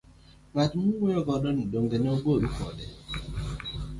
Ng'at ma uwuoyo go ni, dong'e ne ugoru kode?